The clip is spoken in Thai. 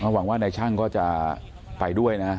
หวังว่านายช่างก็จะไปด้วยนะ